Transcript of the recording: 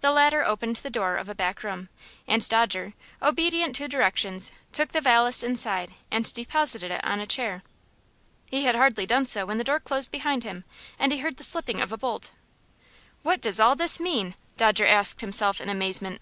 The latter opened the door of a back room, and Dodger, obedient to directions, took the valise inside and deposited it on a chair. He had hardly done so when the door closed behind him, and he heard the slipping of a bolt. "What does all this mean?" Dodger asked himself in amazement.